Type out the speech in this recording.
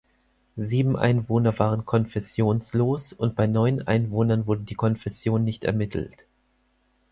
Sieben Einwohner waren konfessionslos und bei neun Einwohnern wurde die Konfession nicht ermittelt.